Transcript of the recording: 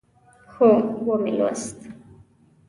هو، ومی لوست